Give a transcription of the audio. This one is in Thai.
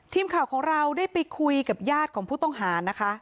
ทีมข่าวของเราได้ไปคุยกับญาติของผู้ต้องหานะคะ